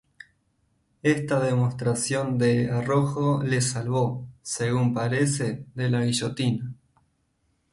Esta demostración de arrojo le salvó, según parece, de la guillotina.